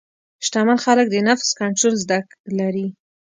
شتمن خلک د نفس کنټرول زده لري.